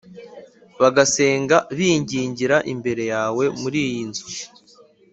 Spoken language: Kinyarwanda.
bagasenga bingingira imbere yawe muri iyi nzu;